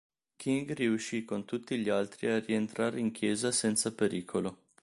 King riuscì con tutti gli altri a rientrare in chiesa senza pericolo.